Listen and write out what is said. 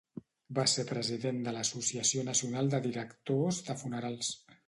Va ser president de l'Associació Nacional de Directors de Funerals.